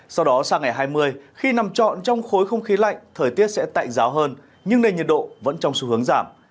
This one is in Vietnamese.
sau đó sang ngày hai mươi khi nằm trọn trong khối không khí lạnh thời tiết sẽ tạnh giáo hơn nhưng nền nhiệt độ vẫn trong xu hướng giảm